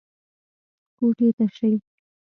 کوټې ته شئ.